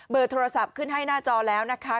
โทรศัพท์ขึ้นให้หน้าจอแล้วนะคะ